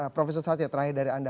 profesor satria terakhir dari anda